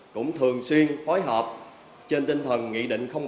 cũng thường xuyên phối hợp trên tinh thần nghị định ba của chính phủ